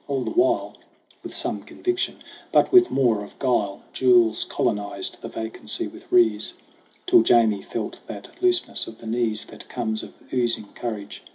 All the while, With some conviction, but with more of guile, Jules colonized the vacancy with Rees ; Till Jamie felt that looseness of the knees That comes of oozing courage.